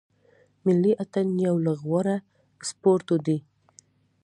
ملي اټن یو له غوره سپورټو دی.